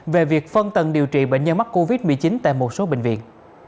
về việc phân tầng điều trị bệnh nhân mắc covid một mươi chín tại một số bệnh viện